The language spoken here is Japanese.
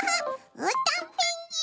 うーたんペンギン！